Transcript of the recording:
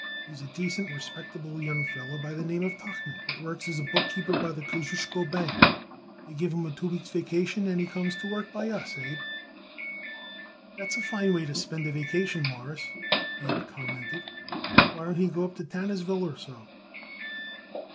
He's a decent, respectable young feller by the name Tuchman, what works as bookkeeper by the Kosciusko Bank. They give him a two weeks' vacation and he comes to work by us, Abe." "That's a fine way to spend a vacation, Mawruss," Abe commented. "Why don't he go up to Tannersville or so?"